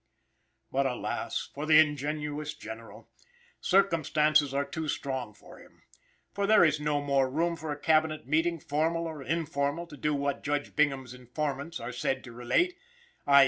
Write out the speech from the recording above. But alas! for the ingenuous General! Circumstances are too strong for him. For there is no more room for a Cabinet meeting, formal or informal, to do what Judge Bingham's informants are said to relate _i.